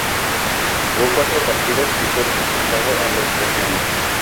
Jugó cuatro partidos y fue expulsado en dos ocasiones.